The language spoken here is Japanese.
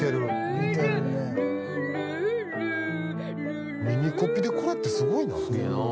耳コピでこれってすごいな。